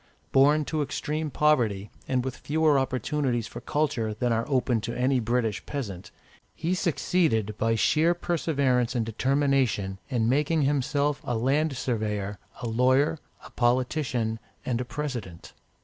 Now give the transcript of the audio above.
Born to extreme poverty, and with fewer opportunities for culture than are open to any British peasant, he succeeded, by sheer perseverance and determination, in making himself a land surveyor, a lawyer, a politician, and a President.